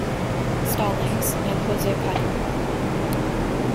Stallings, and Jose Padua.